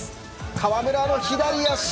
川村の左足。